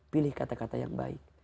pilih kata kata yang baik